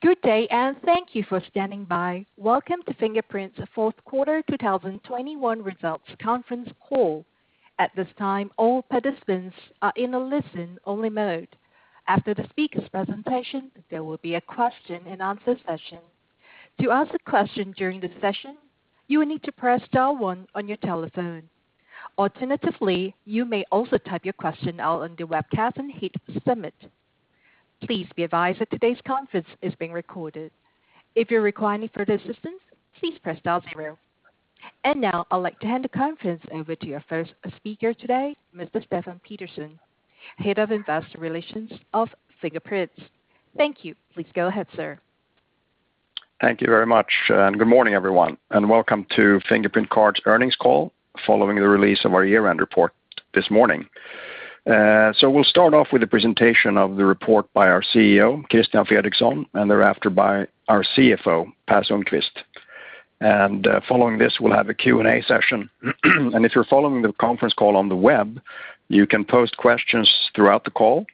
Good day, and thank you for standing by. Welcome to Fingerprint's fourth quarter 2021 results conference call. At this time, all participants are in a listen-only mode. After the speakers' presentation, there will be a question and answer session. To ask a question during the session, you will need to press star one on your telephone. Alternatively, you may also type your question out on the webcast and hit Submit. Please be advised that today's conference is being recorded. If you require any further assistance, please press star zero. Now I'd like to hand the conference over to your first speaker today, Mr. Stefan Pettersson, Head of Investor Relations of Fingerprint. Thank you. Please go ahead, sir. Thank you very much. Good morning, everyone, and welcome to Fingerprint Cards earnings call following the release of our year-end report this morning. We'll start off with a presentation of the report by our CEO, Christian Fredrikson, and thereafter by our CFO, Per Sundkvist. Following this, we'll have a Q&A session. If you're following the conference call on the web, you can post questions throughout the call.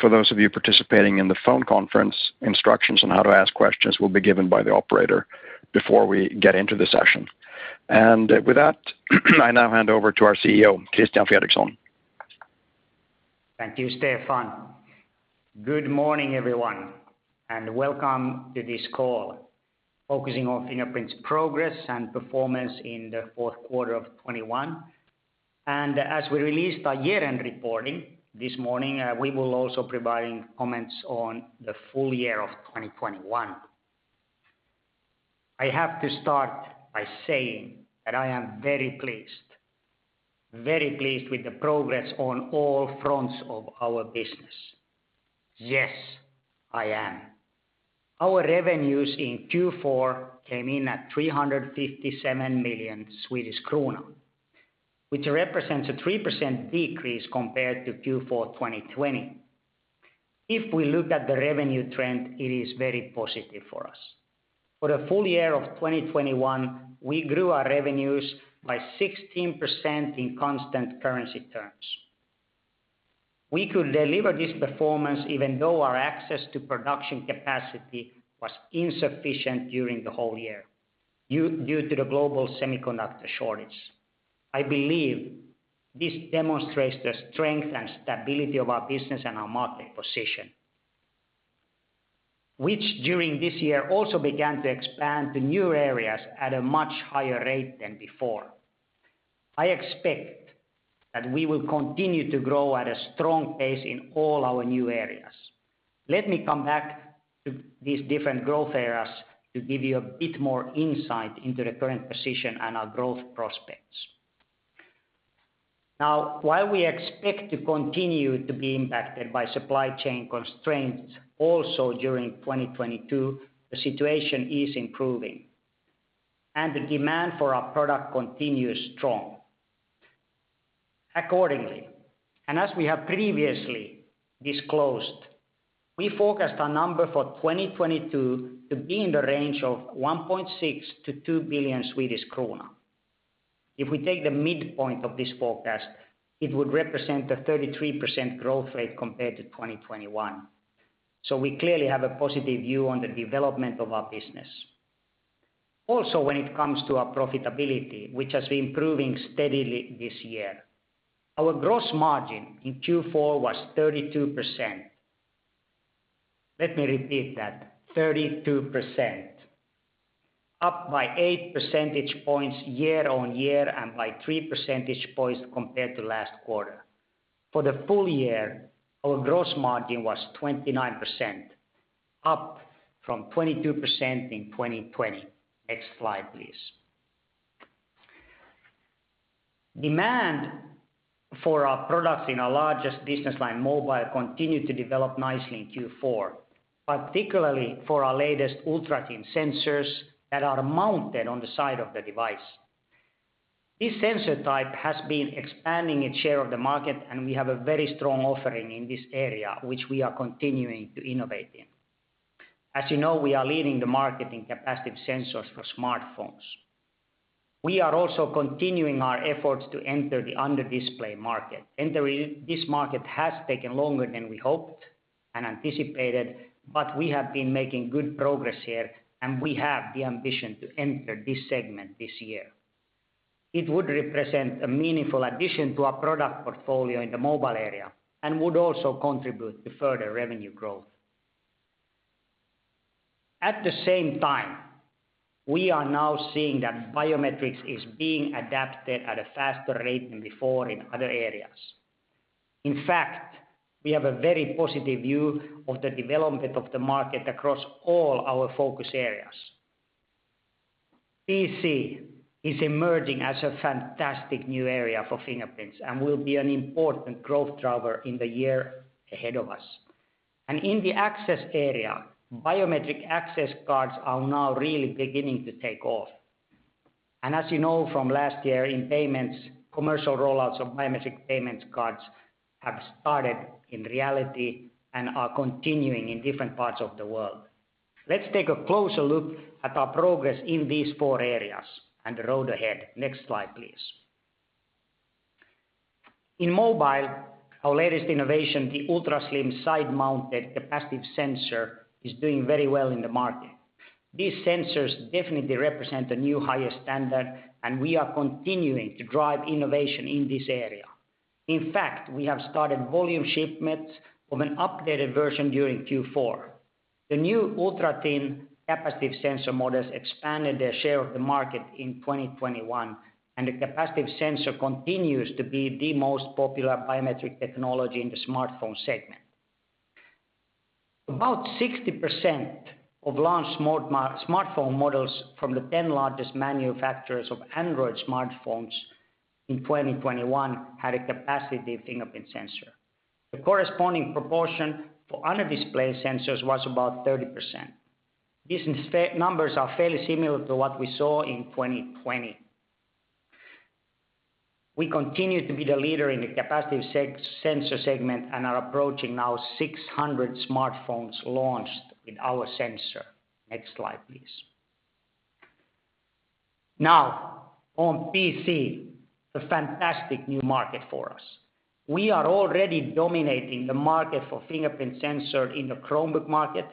For those of you participating in the phone conference, instructions on how to ask questions will be given by the operator before we get into the session. With that, I now hand over to our CEO, Christian Fredrikson. Thank you, Stefan. Good morning, everyone, and welcome to this call focusing on Fingerprint's progress and performance in the fourth quarter of 2021. As we released our year-end reporting this morning, we will also provide comments on the full year of 2021. I have to start by saying that I am very pleased with the progress on all fronts of our business. Yes, I am. Our revenues in Q4 came in at 357 million Swedish krona, which represents a 3% decrease compared to Q4 2020. If we look at the revenue trend, it is very positive for us. For the full year of 2021, we grew our revenues by 16% in constant currency terms. We could deliver this performance even though our access to production capacity was insufficient during the whole year due to the global semiconductor shortage. I believe this demonstrates the strength and stability of our business and our market position, which during this year also began to expand to new areas at a much higher rate than before. I expect that we will continue to grow at a strong pace in all our new areas. Let me come back to these different growth areas to give you a bit more insight into the current position and our growth prospects. Now, while we expect to continue to be impacted by supply chain constraints also during 2022, the situation is improving, and the demand for our product continues strong. Accordingly, and as we have previously disclosed, we forecast our number for 2022 to be in the range of 1.6 billion-2 billion Swedish krona. If we take the midpoint of this forecast, it would represent a 33% growth rate compared to 2021. We clearly have a positive view on the development of our business. Also, when it comes to our profitability, which has been improving steadily this year, our gross margin in Q4 was 32%. Let me repeat that, 32%, up by eight percentage points year-over-year and by three percentage points compared to last quarter. For the full year, our gross margin was 29%, up from 22% in 2020. Next slide, please. Demand for our products in our largest business line, mobile, continued to develop nicely in Q4, particularly for our latest ultra-thin sensors that are mounted on the side of the device. This sensor type has been expanding its share of the market, and we have a very strong offering in this area, which we are continuing to innovate in. As you know, we are leading the market in capacitive sensors for smartphones. We are also continuing our efforts to enter the under-display market. Entering this market has taken longer than we hoped and anticipated, but we have been making good progress here, and we have the ambition to enter this segment this year. It would represent a meaningful addition to our product portfolio in the mobile area and would also contribute to further revenue growth. At the same time, we are now seeing that biometrics is being adapted at a faster rate than before in other areas. In fact, we have a very positive view of the development of the market across all our focus areas. PC is emerging as a fantastic new area for Fingerprints and will be an important growth driver in the year ahead of us. In the access area, biometric access cards are now really beginning to take off. As you know from last year in payments, commercial rollouts of biometric payment cards have started in reality and are continuing in different parts of the world. Let's take a closer look at our progress in these four areas and the road ahead. Next slide, please. In mobile, our latest innovation, the ultra slim side mounted capacitive sensor is doing very well in the market. These sensors definitely represent the new highest standard, and we are continuing to drive innovation in this area. In fact, we have started volume shipments of an updated version during Q4. The new ultrathin capacitive sensor models expanded their share of the market in 2021, and the capacitive sensor continues to be the most popular biometric technology in the smartphone segment. About 60% of launched smartphone models from the 10 largest manufacturers of Android smartphones in 2021 had a capacitive fingerprint sensor. The corresponding proportion for under-display sensors was about 30%. These numbers are fairly similar to what we saw in 2020. We continue to be the leader in the capacitive sensor segment and are approaching now 600 smartphones launched with our sensor. Next slide, please. Now on PC, a fantastic new market for us. We are already dominating the market for fingerprint sensor in the Chromebook market,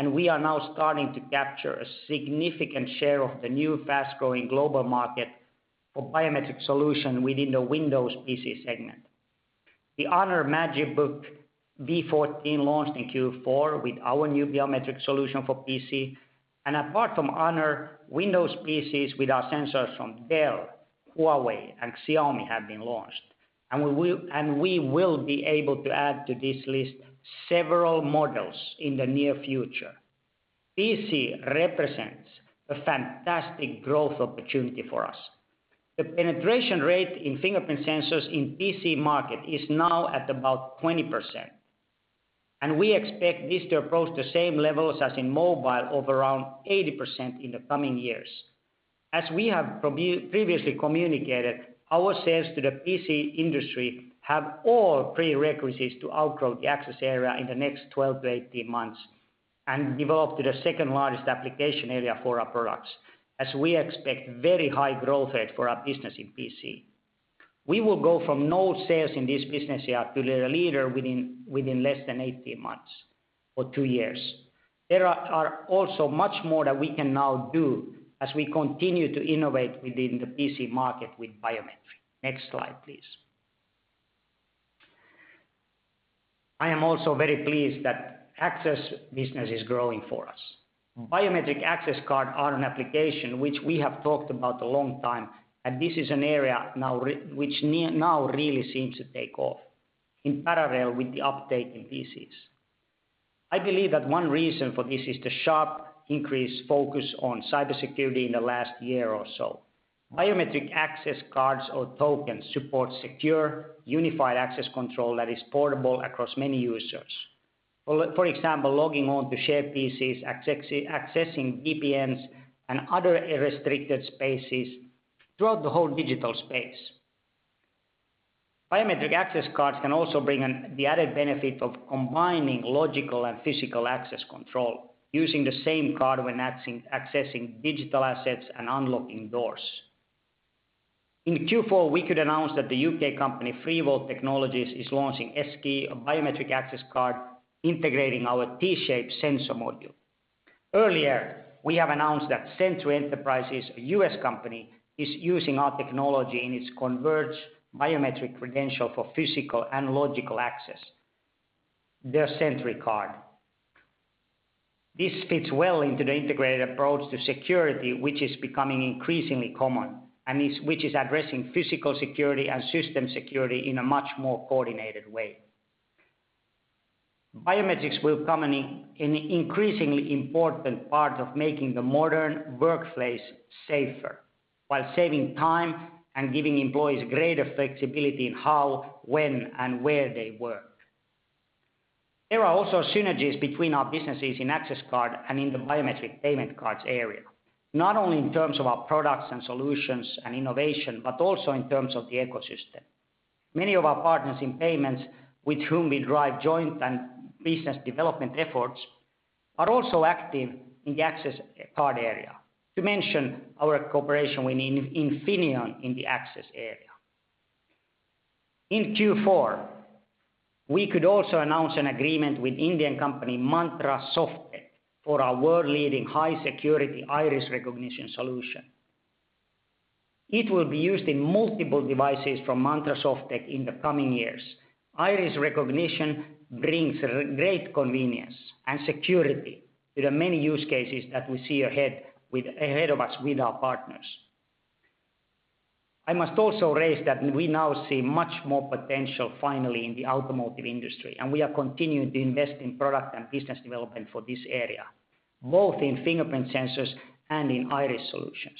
and we are now starting to capture a significant share of the new fast-growing global market for biometric solution within the Windows PC segment. The HONOR MagicBook V14 launched in Q4 with our new biometric solution for PC, and apart from HONOR, Windows PCs with our sensors from Dell, Huawei and Xiaomi have been launched. We will be able to add to this list several models in the near future. PC represents a fantastic growth opportunity for us. The penetration rate in fingerprint sensors in PC market is now at about 20%, and we expect this to approach the same levels as in mobile of around 80% in the coming years. As we have previously communicated, our sales to the PC industry have all prerequisites to outgrow the access area in the next 12-18 months and develop to the second largest application area for our products, as we expect very high growth rate for our business in PC. We will go from no sales in this business here to the leader within less than 18 months or 2 years. There are also much more that we can now do as we continue to innovate within the PC market with biometrics. Next slide, please. I am also very pleased that access business is growing for us. Biometric access cards are an application which we have talked about a long time, and this is an area now really seems to take off in parallel with the uptake in PCs. I believe that one reason for this is the sharply increased focus on cybersecurity in the last year or so. Biometric access cards or tokens support secure unified access control that is portable across many users. For example, logging on to share PCs, accessing VPNs and other restricted spaces throughout the whole digital space. Biometric access cards can also bring the added benefit of combining logical and physical access control using the same card when accessing digital assets and unlocking doors. In Q4, we could announce that the U.K. company Freevolt Technologies is launching S-Key, a biometric access card integrating our T-Shape sensor module. Earlier, we have announced that Sentry Enterprises, a U.S. company, is using our technology in its converged biometric credential for physical and logical access, their SentryCard. This fits well into the integrated approach to security, which is becoming increasingly common and which is addressing physical security and system security in a much more coordinated way. Biometrics will become an increasingly important part of making the modern workplace safer while saving time and giving employees greater flexibility in how, when, and where they work. There are also synergies between our businesses in access card and in the biometric payment cards area, not only in terms of our products and solutions and innovation, but also in terms of the ecosystem. Many of our partners in payments, with whom we drive joint and business development efforts, are also active in the access card area. To mention our cooperation with Infineon in the access area. In Q4, we could also announce an agreement with Indian company Mantra Softech for our world-leading high security iris recognition solution. It will be used in multiple devices from Mantra Softech in the coming years. Iris recognition brings real great convenience and security to the many use cases that we see ahead of us with our partners. I must also raise that we now see much more potential finally in the automotive industry, and we are continuing to invest in product and business development for this area, both in fingerprint sensors and in iris solutions.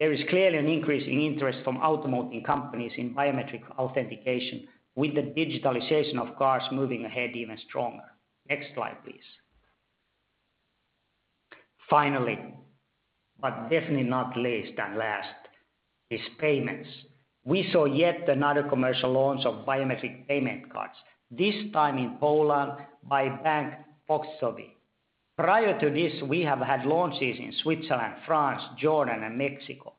There is clearly an increase in interest from automotive companies in biometric authentication with the digitalization of cars moving ahead even stronger. Next slide, please. Finally, but definitely not least and last, is payments. We saw yet another commercial launch of biometric payment cards, this time in Poland by Bank Pocztowy. Prior to this, we have had launches in Switzerland, France, Jordan, and Mexico.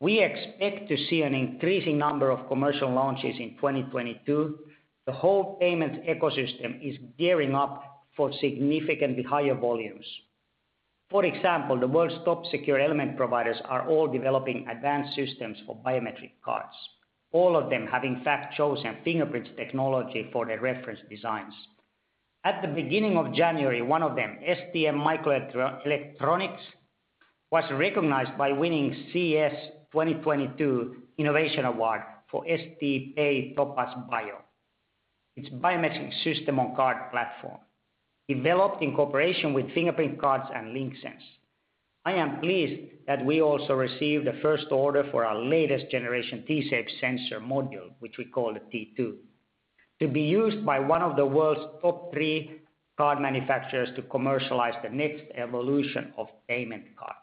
We expect to see an increasing number of commercial launches in 2022. The whole payment ecosystem is gearing up for significantly higher volumes. For example, the world's top secure element providers are all developing advanced systems for biometric cards. All of them have in fact chosen Fingerprint's technology for their reference designs. At the beginning of January, one of them, STMicroelectronics, was recognized by winning CES 2022 Innovation Award for STPay-Topaz-Bio. It's a biometric system-on-card platform developed in cooperation with Fingerprint Cards and Linxens. I am pleased that we also received the first order for our latest generation T-Shape sensor module, which we call the T2, to be used by one of the world's top three card manufacturers to commercialize the next evolution of payment cards.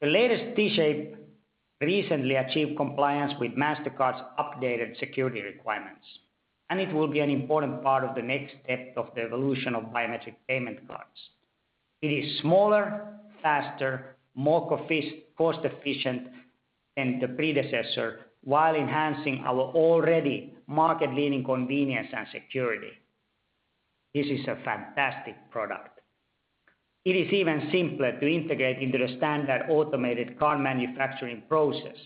The latest T-Shape recently achieved compliance with Mastercard's updated security requirements, and it will be an important part of the next step of the evolution of biometric payment cards. It is smaller, faster, more cost-efficient than the predecessor, while enhancing our already market-leading convenience and security. This is a fantastic product. It is even simpler to integrate into the standard automated card manufacturing process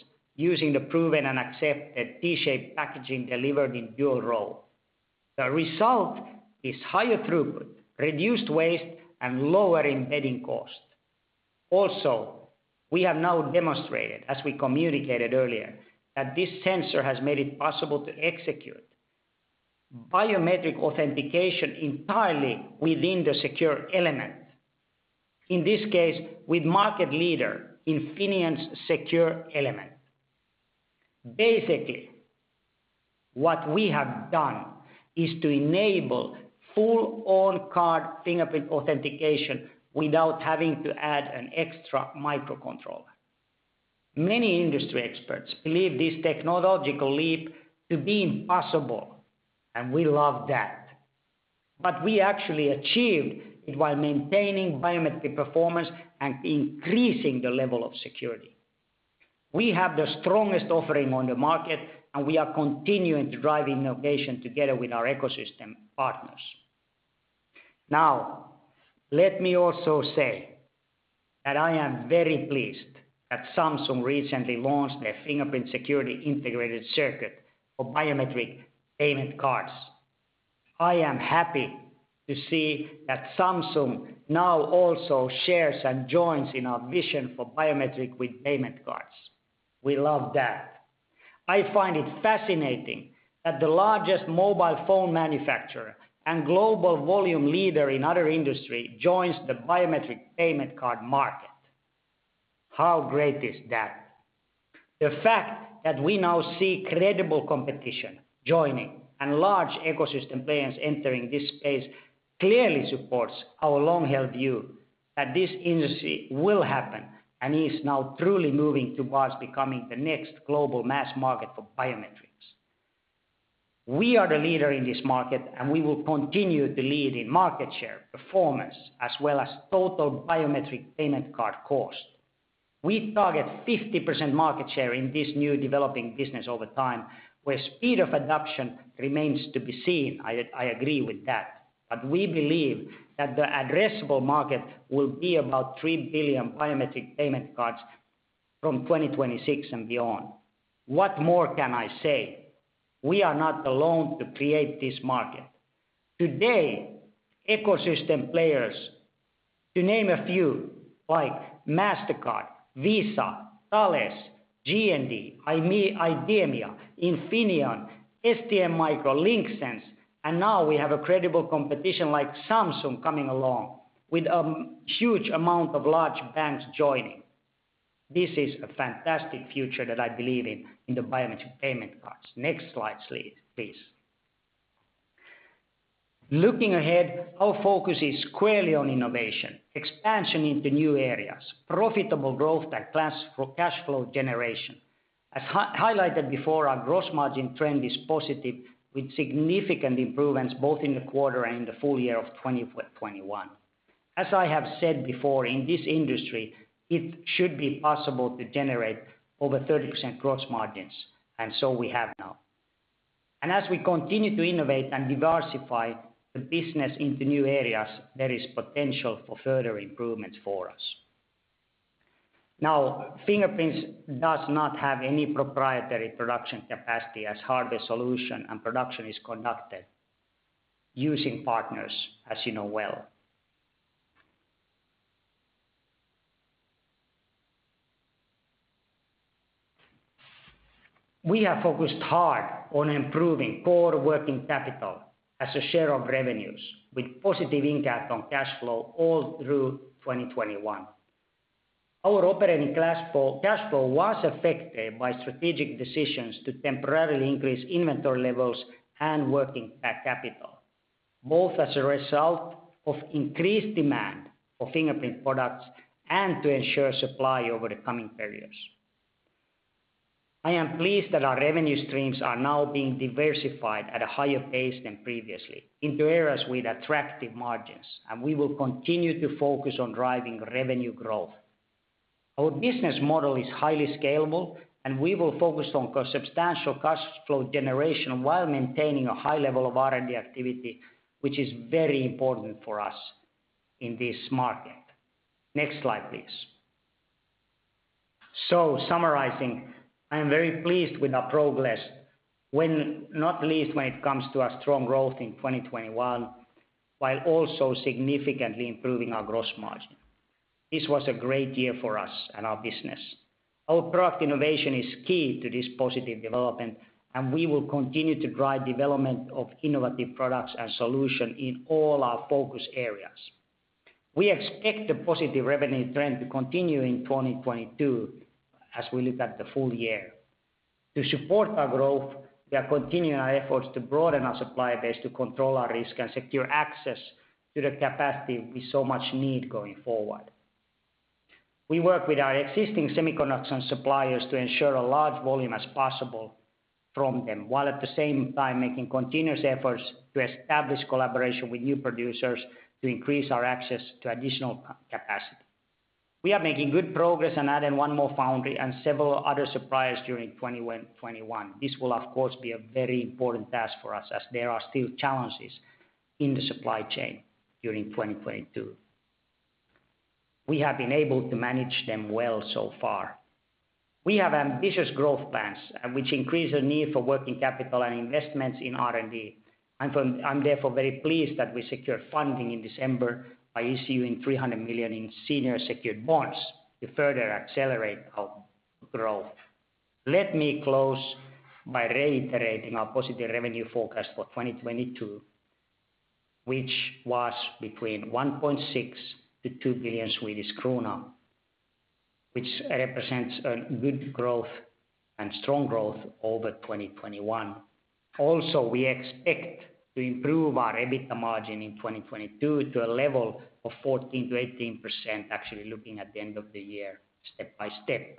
using the proven and accepted T-Shape packaging delivered in dual reel. The result is higher throughput, reduced waste, and lower embedding cost. Also, we have now demonstrated, as we communicated earlier, that this sensor has made it possible to execute biometric authentication entirely within the secure element. In this case, with market leader Infineon's secure element. Basically, what we have done is to enable full on-card fingerprint authentication without having to add an extra microcontroller. Many industry experts believe this technological leap to be impossible, and we love that. We actually achieved it while maintaining biometric performance and increasing the level of security. We have the strongest offering on the market, and we are continuing to drive innovation together with our ecosystem partners. Now, let me also say that I am very pleased that Samsung recently launched their fingerprint security integrated circuit for biometric payment cards. I am happy to see that Samsung now also shares and joins in our vision for biometric with payment cards. We love that. I find it fascinating that the largest mobile phone manufacturer and global volume leader in other industry joins the biometric payment card market. How great is that? The fact that we now see credible competition joining and large ecosystem players entering this space clearly supports our long-held view that this industry will happen and is now truly moving towards becoming the next global mass market for biometrics. We are the leader in this market, and we will continue to lead in market share performance as well as total biometric payment card cost. We target 50% market share in this new developing business over time, where speed of adoption remains to be seen. I agree with that. We believe that the addressable market will be about 3 billion biometric payment cards from 2026 and beyond. What more can I say? We are not alone to create this market. Today, ecosystem players, to name a few, like Mastercard, Visa, Thales, G+D, IDEMIA, Infineon, STMicroelectronics, Linxens, and now we have a credible competition like Samsung coming along with a huge amount of large banks joining. This is a fantastic future that I believe in the biometric payment cards. Next slide, please. Looking ahead, our focus is squarely on innovation, expansion into new areas, profitable growth and cash flow generation. As high-highlighted before, our gross margin trend is positive with significant improvements both in the quarter and in the full year of 2021. As I have said before, in this industry, it should be possible to generate over 30% gross margins, and so we have now. As we continue to innovate and diversify the business into new areas, there is potential for further improvements for us. Now, Fingerprint does not have any proprietary production capacity as hardware solution and production is conducted using partners, as you know well. We have focused hard on improving core working capital as a share of revenues with positive impact on cash flow all through 2021. Our operating cash flow, cash flow was affected by strategic decisions to temporarily increase inventory levels and working capital, both as a result of increased demand for Fingerprint products and to ensure supply over the coming periods. I am pleased that our revenue streams are now being diversified at a higher pace than previously into areas with attractive margins, and we will continue to focus on driving revenue growth. Our business model is highly scalable, and we will focus on substantial cash flow generation while maintaining a high level of R&D activity, which is very important for us in this market. Next slide, please. Summarizing, I am very pleased with our progress not least when it comes to our strong growth in 2021, while also significantly improving our gross margin. This was a great year for us and our business. Our product innovation is key to this positive development, and we will continue to drive development of innovative products and solutions in all our focus areas. We expect the positive revenue trend to continue in 2022 as we look at the full year. To support our growth, we are continuing our efforts to broaden our supplier base to control our risk and secure access to the capacity we so much need going forward. We work with our existing semiconductor suppliers to ensure as large a volume as possible from them, while at the same time making continuous efforts to establish collaboration with new producers to increase our access to additional capacity. We are making good progress in adding one more foundry and several other suppliers during 2021. This will of course be a very important task for us as there are still challenges in the supply chain during 2022. We have been able to manage them well so far. We have ambitious growth plans, which increase the need for working capital and investments in R&D. I'm therefore very pleased that we secured funding in December by issuing 300 million in senior secured bonds to further accelerate our growth. Let me close by reiterating our positive revenue forecast for 2022, which was between 1.6 billion-2 billion Swedish krona, which represents a good growth and strong growth over 2021. Also, we expect to improve our EBITDA margin in 2022 to a level of 14%-18%, actually looking at the end of the year step by step.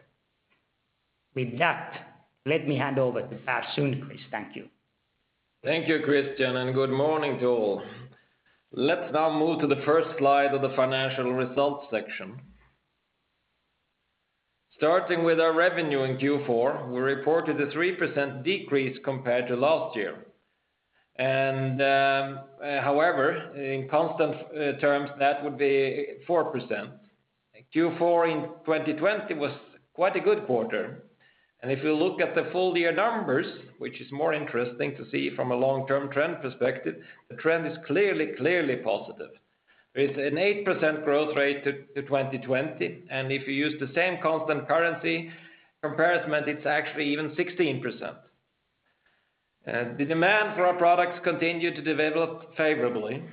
With that, let me hand over to Per Sundkvist. Thank you. Thank you, Christian, and good morning to all. Let's now move to the first slide of the financial results section. Starting with our revenue in Q4, we reported a 3% decrease compared to last year. However, in constant terms, that would be 4%. Q4 in 2020 was quite a good quarter. If you look at the full year numbers, which is more interesting to see from a long-term trend perspective, the trend is clearly positive. With an 8% growth rate to 2020, and if you use the same constant currency comparison, it's actually even 16%. The demand for our products continued to develop favorably.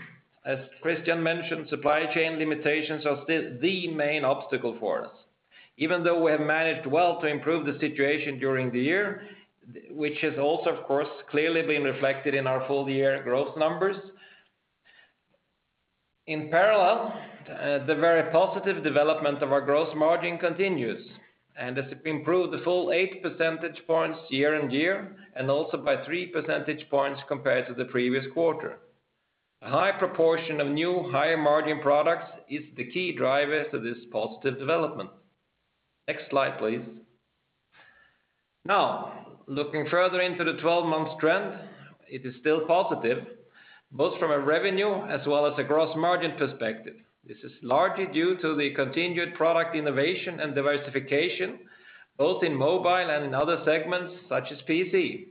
As Christian mentioned, supply chain limitations are still the main obstacle for us, even though we have managed well to improve the situation during the year, which has also, of course, clearly been reflected in our full-year growth numbers. In parallel, the very positive development of our gross margin continues, and this improved the full 8 percentage points year-over-year and also by 3 percentage points compared to the previous quarter. A high proportion of new higher-margin products is the key driver to this positive development. Next slide, please. Now, looking further into the 12-month trend, it is still positive, both from a revenue as well as a gross margin perspective. This is largely due to the continued product innovation and diversification, both in mobile and in other segments, such as PC.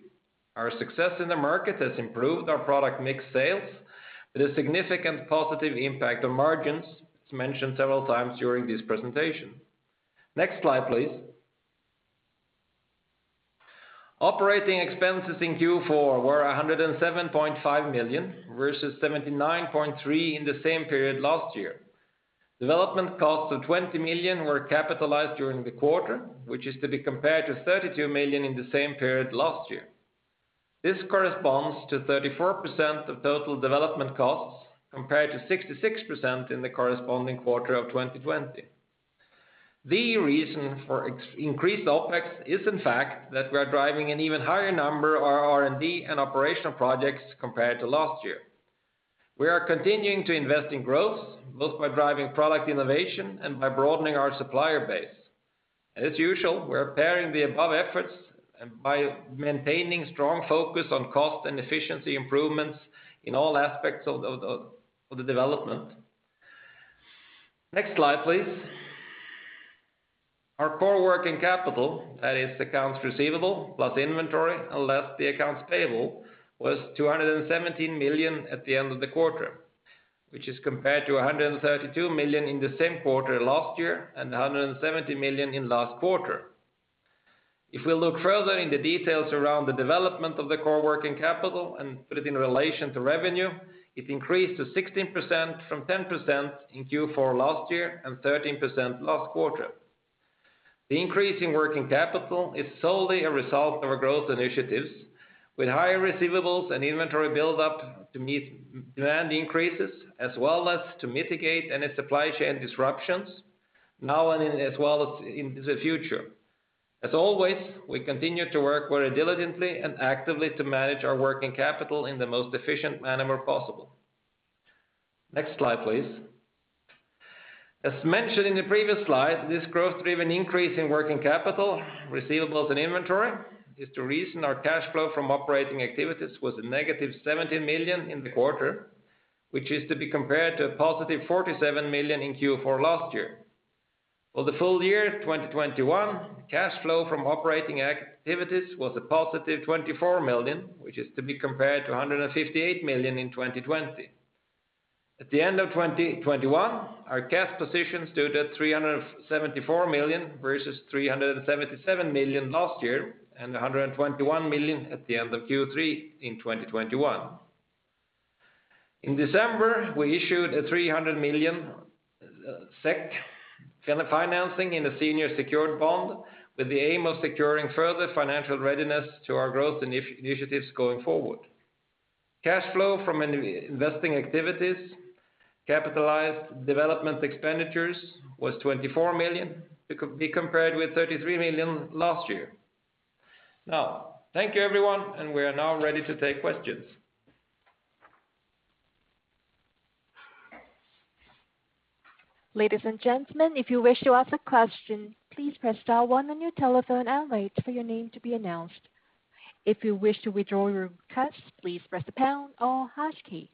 Our success in the market has improved our product mix sales with a significant positive impact on margins, as mentioned several times during this presentation. Next slide, please. Operating expenses in Q4 were 107.5 million, versus 79.3 million in the same period last year. Development costs of 20 million were capitalized during the quarter, which is to be compared to 32 million in the same period last year. This corresponds to 34% of total development costs, compared to 66% in the corresponding quarter of 2020. The reason for the increased OpEx is in fact that we are driving an even higher number of our R&D and operational projects compared to last year. We are continuing to invest in growth, both by driving product innovation and by broadening our supplier base. As usual, we're pairing the above efforts by maintaining strong focus on cost and efficiency improvements in all aspects of the development. Next slide, please. Our core working capital, that is accounts receivable plus inventory and less the accounts payable, was 217 million at the end of the quarter, which is compared to 132 million in the same quarter last year and 170 million in last quarter. If we look further in the details around the development of the core working capital and put it in relation to revenue, it increased to 16% from 10% in Q4 last year and 13% last quarter. The increase in working capital is solely a result of our growth initiatives. With higher receivables and inventory buildup to meet demand increases, as well as to mitigate any supply chain disruptions now and as well as in the future. As always, we continue to work very diligently and actively to manage our working capital in the most efficient manner possible. Next slide, please. As mentioned in the previous slide, this growth-driven increase in working capital receivables and inventory is the reason our cash flow from operating activities was a negative 70 million in the quarter, which is to be compared to a positive 47 million in Q4 last year. For the full year 2021, cash flow from operating activities was a positive 24 million, which is to be compared to 158 million in 2020. At the end of 2021, our cash position stood at 374 million versus 377 million last year, and 121 million at the end of Q3 in 2021. In December, we issued 300 million SEK SEK financing in a senior secured bond with the aim of securing further financial readiness to our growth initiatives going forward. Cash flow from investing activities, capitalized development expenditures was 24 million to be compared with 33 million last year. Now thank you, everyone, and we are now ready to take questions. Ladies and gentlemen, if you wish to ask a question, please press star one on your telephone and wait for your name to be announced. If you wish to withdraw your request, please press the pound or hash key.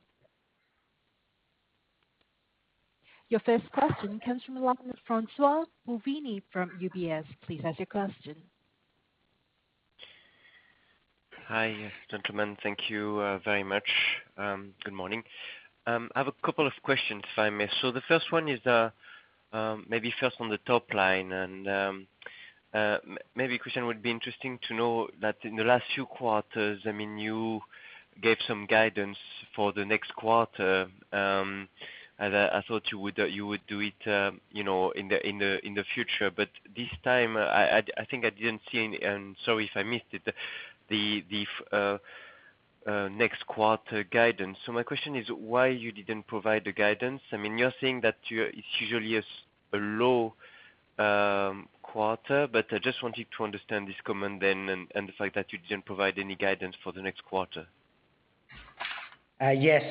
Your first question comes from the line with François-Xavier Bouvignies from UBS. Please ask your question. Hi, gentlemen. Thank you very much. Good morning. I have a couple of questions if I may. The first one is maybe first on the top line and maybe Christian would be interesting to know that in the last few quarters, I mean, you gave some guidance for the next quarter, and I think I didn't see any next quarter guidance, and sorry if I missed it. My question is why you didn't provide the guidance. I mean, you're saying that it's usually a low quarter, but I just wanted to understand this comment then and the fact that you didn't provide any guidance for the next quarter. Yes,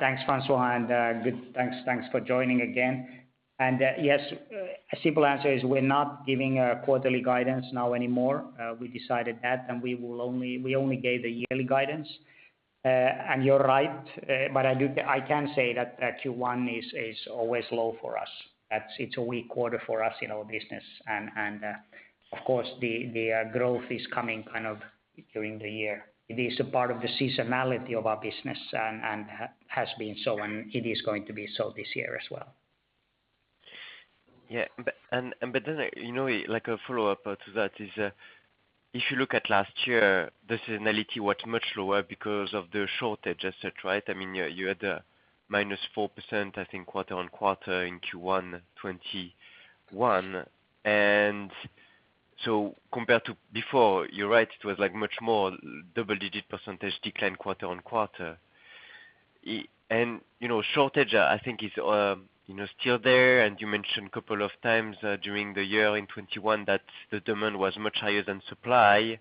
thanks François, and good, thanks for joining again. Yes, a simple answer is we're not giving quarterly guidance now anymore. We decided that, and we only gave a yearly guidance. You're right. I can say that Q1 is always low for us, that it's a weak quarter for us in our business. Of course the growth is coming kind of during the year. It is a part of the seasonality of our business and has been so, and it is going to be so this year as well. You know, like a follow-up to that is, if you look at last year, the seasonality was much lower because of the shortage as such, right? I mean, you had minus 4% I think quarter-on-quarter in Q1 2021. Compared to before, you're right, it was like much more double-digit percentage decline quarter-on-quarter. You know, shortage I think is, you know, still there, and you mentioned a couple of times during the year in 2021 that the demand was much higher than supply.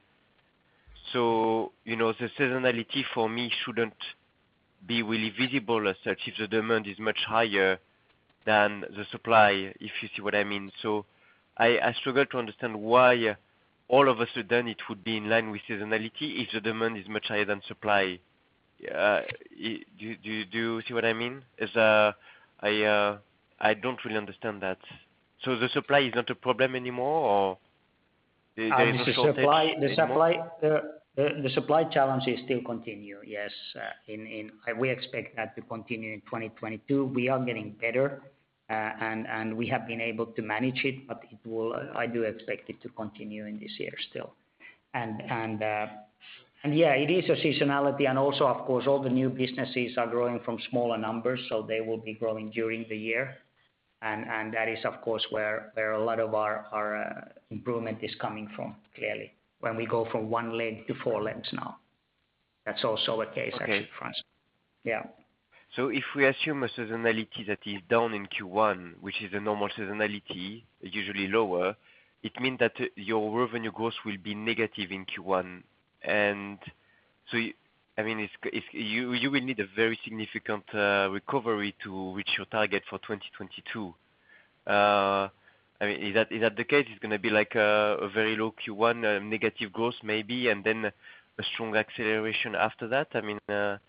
You know, the seasonality for me shouldn't be really visible as such if the demand is much higher than the supply, if you see what I mean. I struggle to understand why all of a sudden it would be in line with seasonality if the demand is much higher than supply. Do you see what I mean? I don't really understand that. The supply is not a problem anymore, or there is no shortage anymore? The supply challenge is still continue, yes. We expect that to continue in 2022. We are getting better, and we have been able to manage it, but I do expect it to continue in this year still. Yeah, it is a seasonality and also of course all the new businesses are growing from smaller numbers, so they will be growing during the year. That is of course where a lot of our improvement is coming from clearly when we go from one leg to four legs now. That's also a case actually, François. Okay. Yeah. If we assume a seasonality that is down in Q1, which is a normal seasonality, usually lower, it means that your revenue growth will be negative in Q1. I mean, you will need a very significant recovery to reach your target for 2022. I mean, is that the case? It's gonna be like a very low Q1, negative growth maybe, and then a strong acceleration after that? I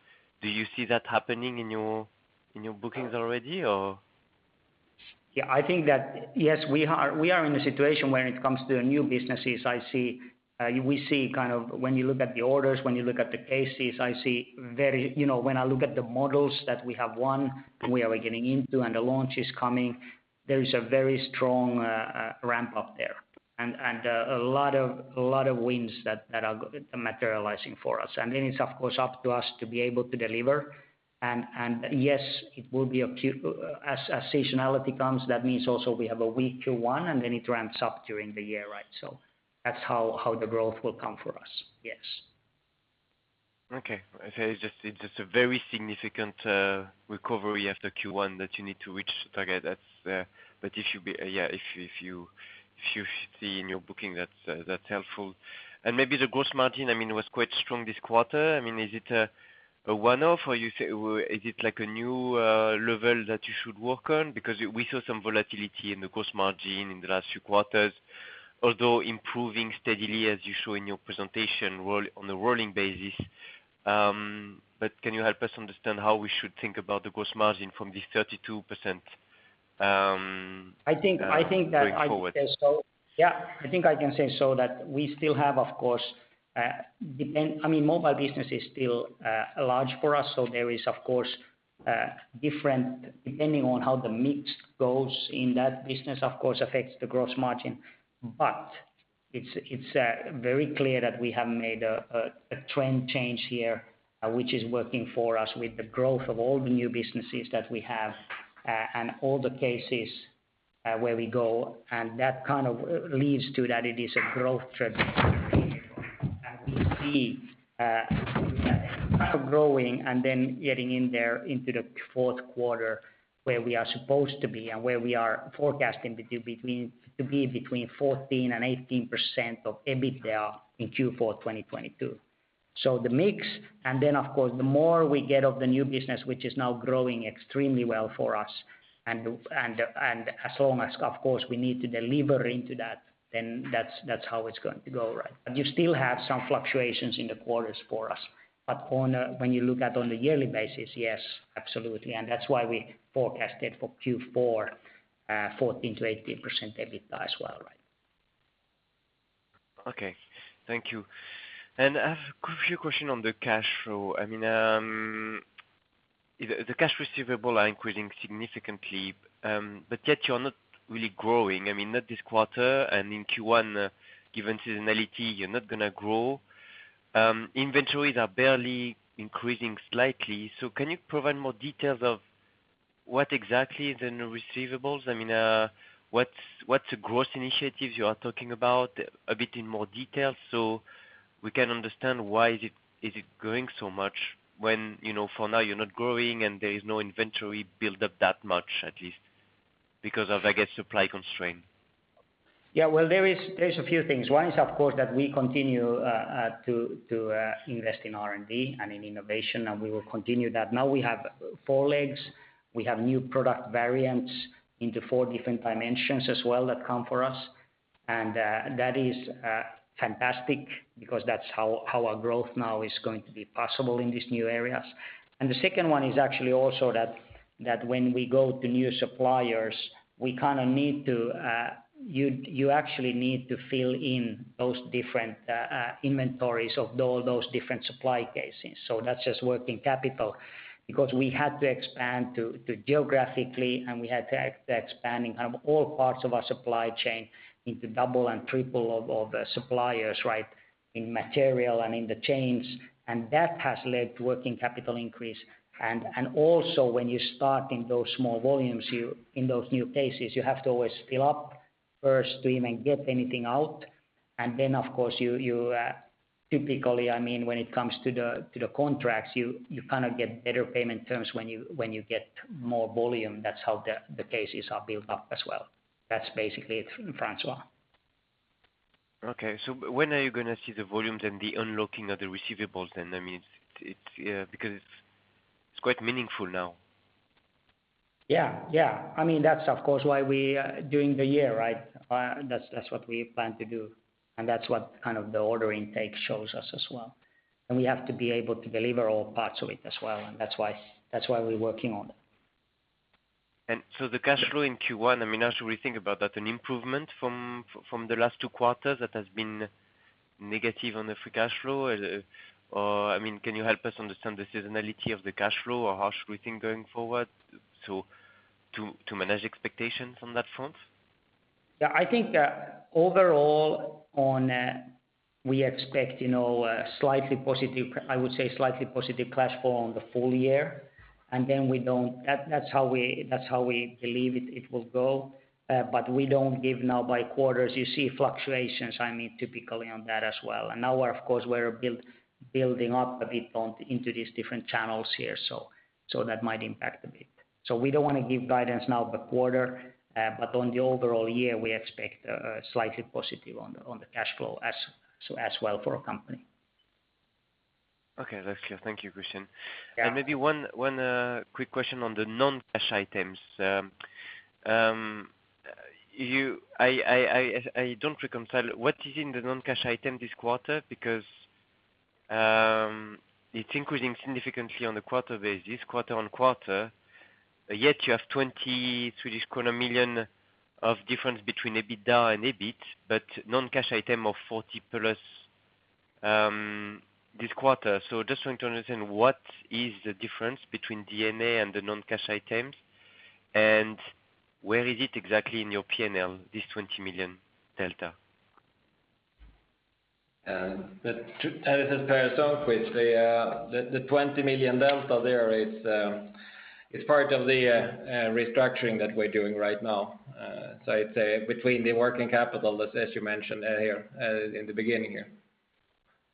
mean, do you see that happening in your bookings already or? Yeah, I think that yes, we are in a situation when it comes to the new businesses. I see, we see kind of when you look at the orders, when you look at the cases, I see very, you know, when I look at the models that we have won and where are we getting into and the launch is coming, there is a very strong ramp up there and a lot of wins that are materializing for us. Then it's of course up to us to be able to deliver. Yes, it will be acute. As seasonality comes, that means also we have a weaker one, and then it ramps up during the year, right? That's how the growth will come for us. Yes. Okay. I say it's just a very significant recovery after Q1 that you need to reach target. That's if you see in your booking that's helpful. Maybe the gross margin, I mean, was quite strong this quarter. I mean, is it a one-off or you say, is it like a new level that you should work on? Because we saw some volatility in the gross margin in the last few quarters, although improving steadily as you show in your presentation or on a rolling basis. Can you help us understand how we should think about the gross margin from this 32%, I think that I can say so. Going forward. Yeah. I think I can say so that we still have of course, mobile business is still large for us, so there is of course different, depending on how the mix goes in that business, of course affects the gross margin. It's very clear that we have made a trend change here, which is working for us with the growth of all the new businesses that we have, and all the cases where we go. That kind of leads to that it is a growth trajectory that we see, growing and then getting in there into the fourth quarter where we are supposed to be and where we are forecasting to be between 14% and 18% of EBITDA in Q4 2022. The mix and then of course, the more we get of the new business which is now growing extremely well for us and as long as of course we need to deliver into that, then that's how it's going to go, right. You still have some fluctuations in the quarters for us. When you look at a yearly basis, yes, absolutely. That's why we forecasted for Q4, 14%-18% EBITDA as well, right. Okay. Thank you. I have a few questions on the cash flow. I mean, the cash receivables are increasing significantly, but yet you're not really growing. I mean, not this quarter and in Q1, given seasonality, you're not gonna grow. Inventories are barely increasing slightly. So can you provide more details of what exactly the new receivables? I mean, what's the growth initiatives you are talking about a bit in more detail so we can understand why it is growing so much when, you know, for now you're not growing and there is no inventory build up that much at least because of I guess, supply constraint. Well, there's a few things. One is of course that we continue to invest in R&D and in innovation, and we will continue that. Now we have four legs. We have new product variants into four different dimensions as well that come for us. That is fantastic because that's how our growth now is going to be possible in these new areas. The second one is actually also that when we go to new suppliers, we actually need to fill in those different inventories of all those different supply cases. So that's just working capital because we had to expand geographically, and we had to expand kind of all parts of our supply chain into double and triple suppliers, right? In materials and in the chains. That has led to working capital increase. Also when you're starting those small volumes, in those new cases, you have to always fill up first to even get anything out. Of course you typically, I mean when it comes to the contracts, you kind of get better payment terms when you get more volume. That's how the cases are built up as well. That's basically it, François. Okay. When are you gonna see the volumes and the unlocking of the receivables then? I mean, it's, because it's quite meaningful now. Yeah. I mean that's of course why we during the year, right? That's what we plan to do. That's what kind of the order intake shows us as well. We have to be able to deliver all parts of it as well. That's why we're working on it. The cash flow in Q1, I mean, how should we think about that? An improvement from the last two quarters that has been negative on the free cash flow? Or I mean, can you help us understand the seasonality of the cash flow or how should we think going forward to manage expectations on that front? Yeah, I think that overall we expect, you know, slightly positive. I would say slightly positive cash flow on the full year, and then that's how we believe it will go. But we don't give now by quarters. You see fluctuations, I mean, typically on that as well. Now we're of course building up a bit into these different channels here. That might impact a bit. We don't want to give guidance now by quarter. But on the overall year we expect a slightly positive on the cash flow as well for our company. Okay. That's clear. Thank you, Christian. Yeah. Maybe one quick question on the non-cash items. I don't reconcile what is in the non-cash item this quarter because it's increasing significantly quarter-on-quarter, yet you have 20 million of difference between EBITDA and EBIT, but non-cash item of 40+ this quarter. Just trying to understand what is the difference between D&A and the non-cash items, and where is it exactly in your P&L, this 20 million delta? This is Per Sundkvist. The twenty million delta there is part of the restructuring that we're doing right now. I'd say between the working capital, as you mentioned earlier, in the beginning here,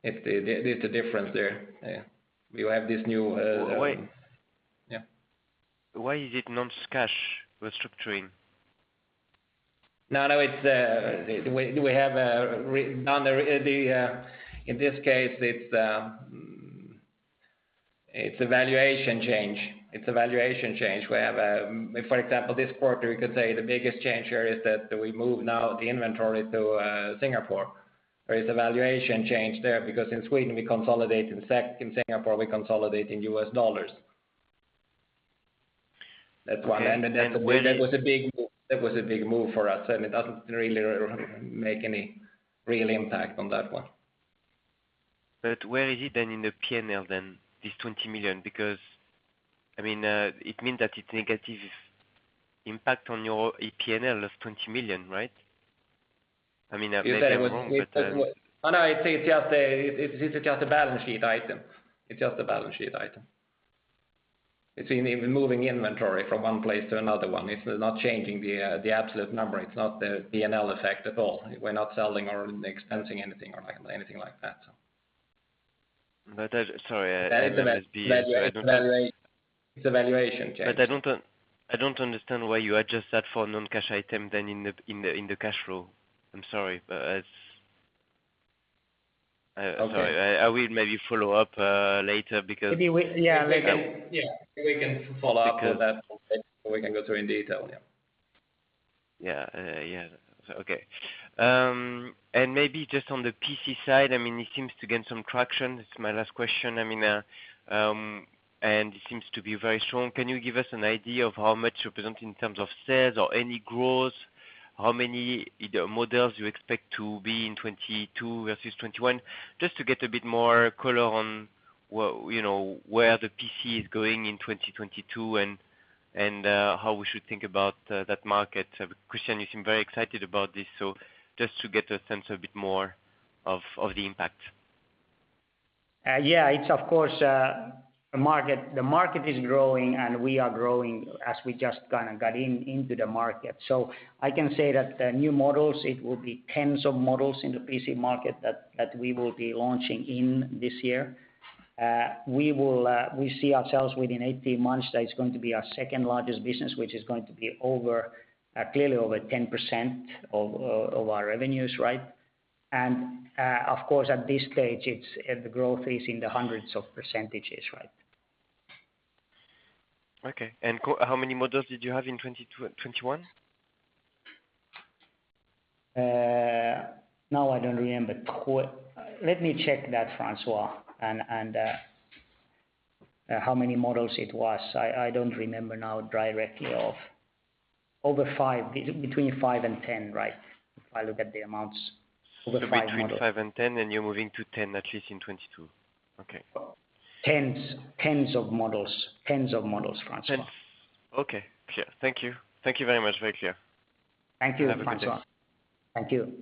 there's a difference there. We will have this new Wait. Yeah. Why is it non-cash restructuring? No. In this case, it's a valuation change. We have, for example, this quarter you could say the biggest change here is that we move now the inventory to Singapore. There is a valuation change there because in Sweden we consolidate, in Singapore we consolidate in U.S. dollars. That's one. Okay. Where is- That was a big move for us, and it doesn't really make any real impact on that one. Where is it then in the P&L then, this 20 million? Because I mean, it means that it's negative impact on your P&L of 20 million, right? I mean, I may be wrong, but, It's just a balance sheet item. It's just moving inventory from one place to another one. It's not changing the absolute number. It's not the P&L effect at all. We're not selling or expensing anything or anything like that, so. Sorry, I It's a valuation change. I don't understand why you adjust that for non-cash item then in the cash flow. I'm sorry, but it's. Okay. Sorry. I will maybe follow up later because. Yeah, we can, yeah. We can follow up on that one so we can go through in detail. Yeah. Maybe just on the PC side, I mean, it seems to gain some traction. It's my last question. I mean, it seems to be very strong. Can you give us an idea of how much it represents in terms of sales or any growth? How many other models you expect to be in 2022 versus 2021? Just to get a bit more color on where, you know, the PC is going in 2022 and how we should think about that market. Christian, you seem very excited about this, so just to get a sense a bit more of the impact. Yeah, it's of course a market. The market is growing, and we are growing as we just kind of got into the market. I can say that the new models, it will be tens of models in the PC market that we will be launching in this year. We see ourselves within 18 months that it's going to be our second largest business, which is going to be over clearly over 10% of our revenues, right? Of course, at this stage, it's the growth is in the hundreds of %, right? Okay. How many models did you have in 21? Now I don't remember. Let me check that, François, and how many models it was. I don't remember now directly. Over 5, between 5 and 10, right? If I look at the amounts, over 5 models. Between 5 and 10, and you're moving to 10 at least in 2022. Okay. Tens of models, François. Okay. Clear. Thank you. Thank you very much. Very clear. Thank you, François. Have a good day. Thank you.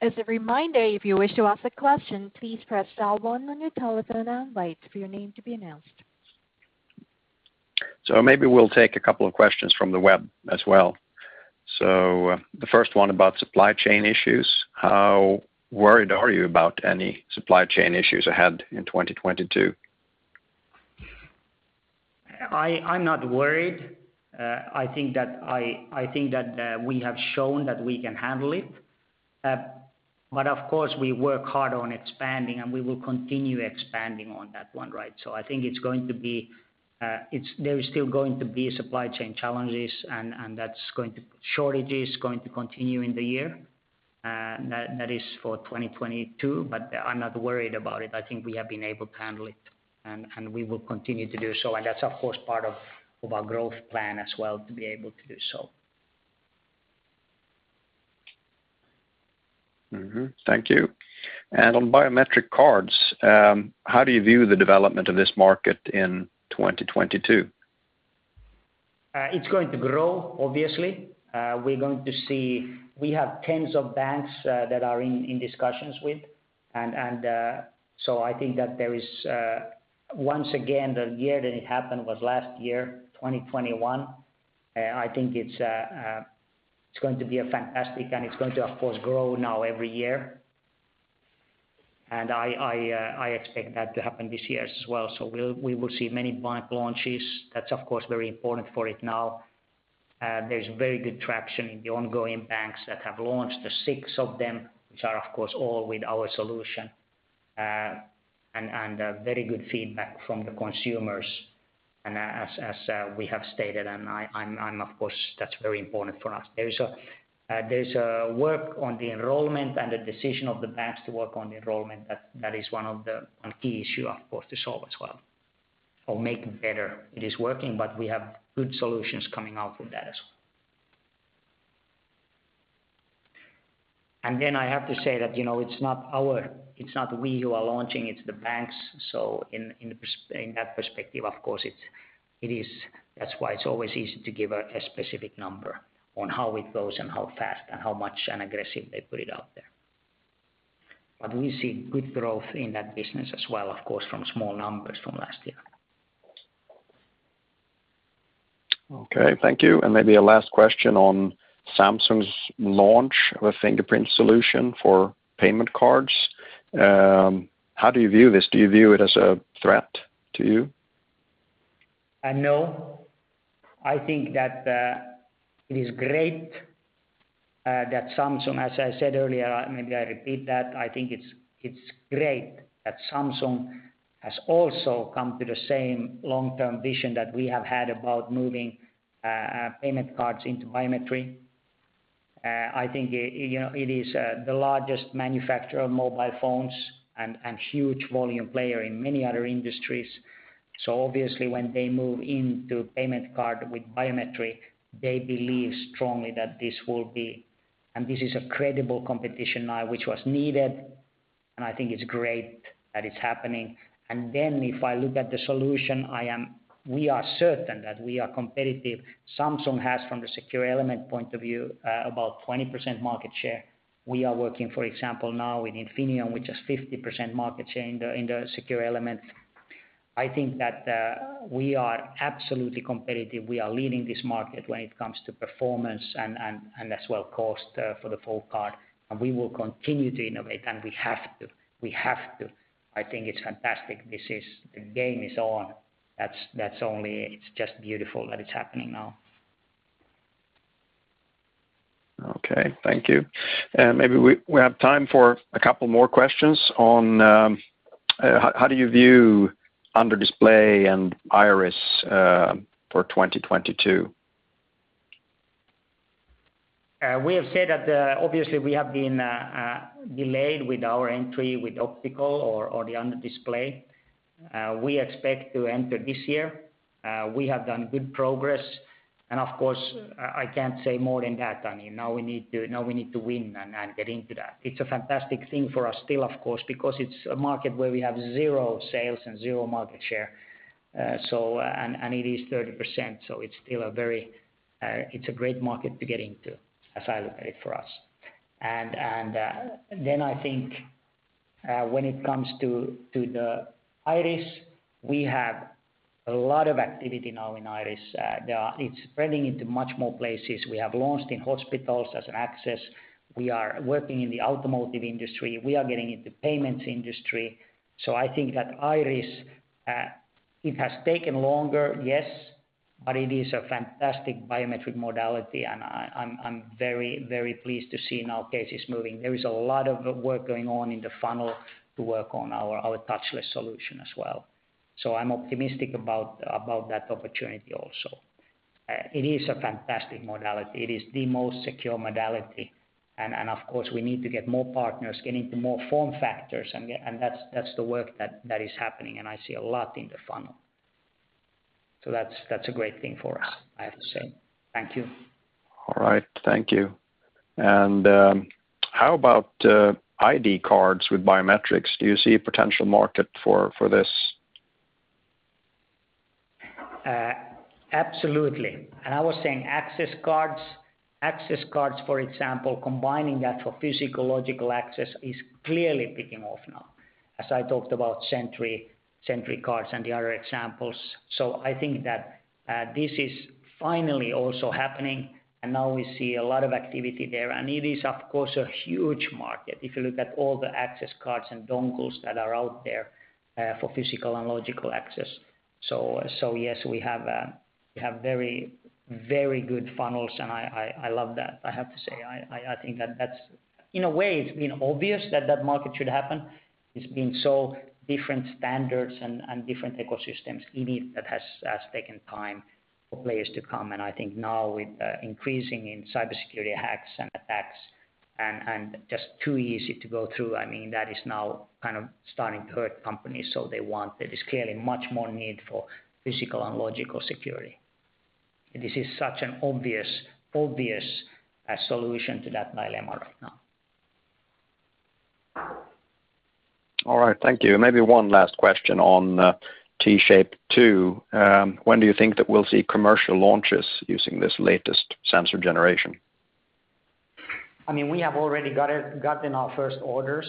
As a reminder, if you wish to ask a question, please press star one on your telephone and wait for your name to be announced. Maybe we'll take a couple of questions from the web as well. The first one about supply chain issues, how worried are you about any supply chain issues ahead in 2022? I'm not worried. I think that we have shown that we can handle it. But of course, we work hard on expanding, and we will continue expanding on that one, right? There is still going to be supply chain challenges and shortages going to continue in the year. That is for 2022, but I'm not worried about it. I think we have been able to handle it and we will continue to do so. That's of course part of our growth plan as well to be able to do so. Mm-hmm. Thank you. On biometric cards, how do you view the development of this market in 2022? It's going to grow, obviously. We're going to see. We have tens of banks that are in discussions with and so I think that there is, once again, the year that it happened was last year, 2021. I think it's going to be a fantastic and it's going to of course grow now every year. I expect that to happen this year as well. We will see many bank launches. That's of course very important for it now. There's very good traction in the ongoing banks that have launched, the six of them, which are of course all with our solution. Very good feedback from the consumers. As we have stated, and I'm of course, that's very important for us. There is work on the enrollment and the decision of the banks to work on the enrollment. That is one of the key issue of course to solve as well or make better. It is working, but we have good solutions coming out from that as well. I have to say that, you know, it's not we who are launching, it's the banks. In that perspective, of course, it is. That's why it's always easy to give a specific number on how it goes and how fast and how much and aggressive they put it out there. We see good growth in that business as well, of course, from small numbers from last year. Okay, thank you. Maybe a last question on Samsung's launch of a fingerprint solution for payment cards. How do you view this? Do you view it as a threat to you? No. I think that it is great that Samsung has also come to the same long-term vision that we have had about moving payment cards into biometrics. As I said earlier, maybe I repeat that, I think it's great that Samsung has also come to the same long-term vision that we have had about moving payment cards into biometrics. I think, you know, it is the largest manufacturer of mobile phones and huge volume player in many other industries. Obviously when they move into payment card with biometrics, they believe strongly that this will be a credible competition now, which was needed, and I think it's great that it's happening. If I look at the solution, we are certain that we are competitive. Samsung has, from the secure element point of view, about 20% market share. We are working, for example, now with Infineon, which has 50% market share in the secure element. I think that we are absolutely competitive. We are leading this market when it comes to performance and as well cost for the full card. We will continue to innovate, and we have to. I think it's fantastic. This is the game is on. That's only. It's just beautiful that it's happening now. Okay, thank you. Maybe we have time for a couple more questions on how do you view under-display and iris for 2022? We have said that, obviously we have been delayed with our entry with optical or the under-display. We expect to enter this year. We have done good progress. Of course, I can't say more than that. I mean, now we need to win and get into that. It's a fantastic thing for us still of course, because it's a market where we have zero sales and zero market share. So, and it is 30%, so it's still a very, it's a great market to get into as I look at it for us. I think, when it comes to the iris, we have a lot of activity now in iris. There are. It's spreading into much more places. We have launched in hospitals as an access. We are working in the automotive industry. We are getting into payments industry. I think that iris it has taken longer, yes, but it is a fantastic biometric modality and I'm very pleased to see now cases moving. There is a lot of work going on in the funnel to work on our touchless solution as well. I'm optimistic about that opportunity also. It is a fantastic modality. It is the most secure modality. Of course, we need to get more partners, get into more form factors, and that's the work that is happening, and I see a lot in the funnel. That's a great thing for us, I have to say. Thank you. All right, thank you. How about ID cards with biometrics? Do you see a potential market for this? Absolutely. I was saying access cards. Access cards, for example, combining that for physical, logical access is clearly picking up now. As I talked about Sentry cards and the other examples. I think that this is finally also happening and now we see a lot of activity there. It is of course a huge market if you look at all the access cards and dongles that are out there for physical and logical access. Yes, we have very good funnels and I love that, I have to say. I think that that's in a way it's been obvious that that market should happen. It's been so different standards and different ecosystems, it is that has taken time for players to come. I think now with increasing in cybersecurity hacks and attacks and just too easy to go through. I mean that is now kind of starting to hurt companies, so they want. There is clearly much more need for physical and logical security. This is such an obvious solution to that dilemma right now. All right, thank you. Maybe one last question on T-Shape 2. When do you think that we'll see commercial launches using this latest sensor generation? I mean, we have already gotten our first orders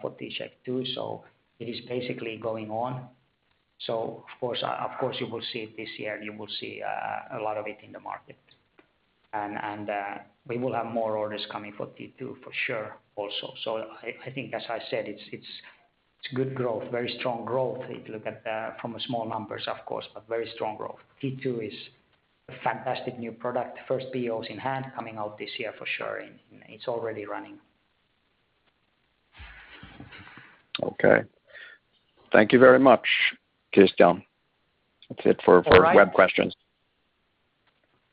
for T-Shape 2, so it is basically going on. Of course you will see it this year and you will see a lot of it in the market. We will have more orders coming for T 2 for sure also. I think as I said, it's good growth, very strong growth if you look at from small numbers of course, but very strong growth. T 2 is a fantastic new product. First POs in hand coming out this year for sure, and it's already running. Okay. Thank you very much, Christian. That's it for. All right. web questions.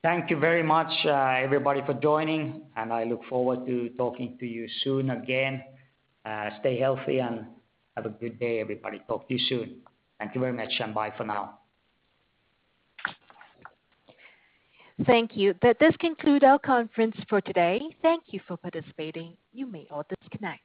Thank you very much, everybody for joining, and I look forward to talking to you soon again. Stay healthy and have a good day, everybody. Talk to you soon. Thank you very much, and bye for now. Thank you. That does conclude our conference for today. Thank you for participating. You may all disconnect.